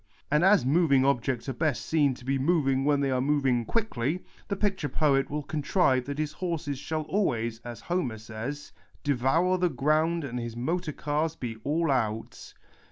And as moving objects are best seen to be moving when they are moving quickly, the picture poet will con trive that his horses shall always, as Homer says, 9 PASTICHE AND PREJUDICE devour the ground and his motor cars be ' all out.'